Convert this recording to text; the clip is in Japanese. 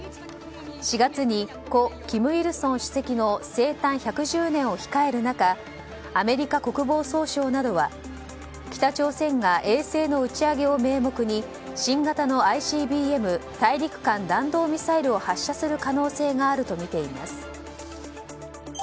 ４月に故・金日成主席の生誕１１０年を控える中アメリカ国防総省などは北朝鮮が衛星の打ち上げを名目に新型のＩＣＢＭ・大陸間弾道ミサイルを発射する可能性があるとみています。